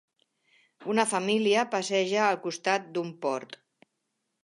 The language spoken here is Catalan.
Una família passeja al costat d'un port.